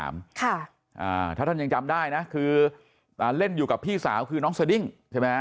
ถ้าท่านยังจำได้นะคือเล่นอยู่กับพี่สาวคือน้องสดิ้งใช่ไหมฮะ